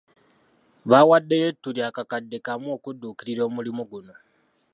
Baawaddeyo ettu lya kakadde kamu okudduukirira omulimu guno.